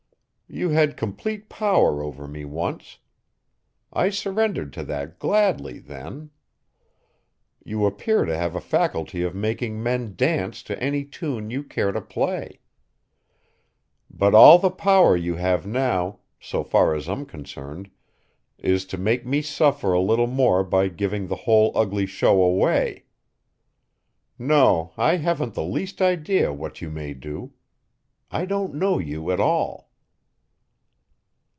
You had complete power over me once. I surrendered to that gladly, then. You appear to have a faculty of making men dance to any tune you care to play. But all the power you have now, so far as I'm concerned, is to make me suffer a little more by giving the whole ugly show away. No, I haven't the least idea what you may do. I don't know you at all."